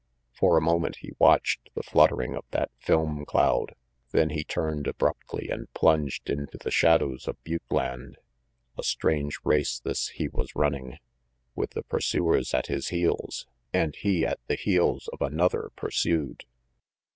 For a moment he watched the fluttering of that film cloud, then he turned abruptly and plunged into the shadows of butte land. A strange race this he was running, with the pursuers at his heels, and he at the heels of another pursued!